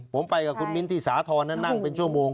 ผมไปกับคุณมิ้นที่สาธรณ์นั่งเป็นชั่วโมง